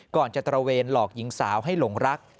ก่อนจะตระเวนหลอกหญิงสาวให้หลงรัก